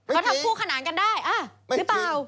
เขาทำคู่ขนานกันได้หรือเปล่า